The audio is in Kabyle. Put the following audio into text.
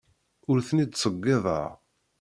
Ur ten-id-ttṣeyyideɣ.